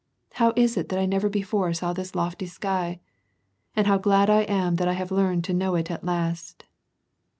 How is it that I never before saw this lofty sky ? and how glad I am that I have learned to know it at last